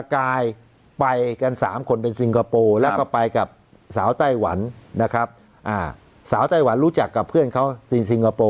กำลังามานะเนี่ย